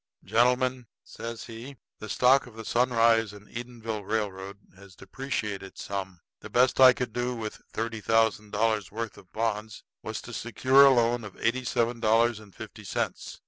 "Gentlemen," says he, "the stock of the Sunrise & Edenville railroad has depreciated some. The best I could do with thirty thousand dollars' worth of the bonds was to secure a loan of eighty seven dollars and fifty cents.